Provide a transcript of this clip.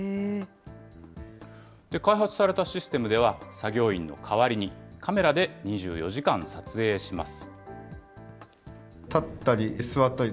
開発されたシステムでは、作業員の代わりに、カメラで２４時間撮影します。